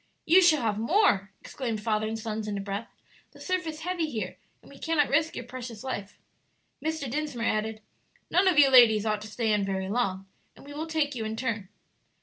"You shall have more!" exclaimed father and sons in a breath; "the surf is heavy here, and we cannot risk your precious life." Mr. Dinsmore added, "None of you ladies ought to stay in very long, and we will take you in turn."